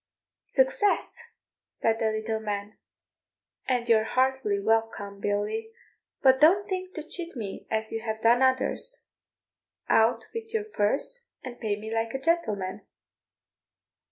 "Success," said the little man; "and you're heartily welcome, Billy; but don't think to cheat me as you have done others, out with your purse and pay me like a gentleman."